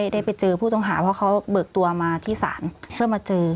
ได้ไปเจอผู้ต้องหาเพราะเขาเบิกตัวมาที่ศาลเพื่อมาเจอ